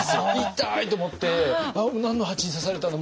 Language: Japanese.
痛い！と思って何の蜂に刺されたんだ？